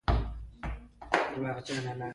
انقلاب دوه کلنۍ لاسته راوړنې په خطر کې لیدې.